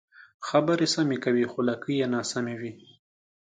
خبرې سمې کوې خو لکۍ یې ناسمې وي.